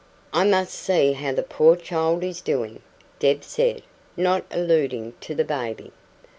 "I must see how the poor child is doing," Deb said not alluding to the baby.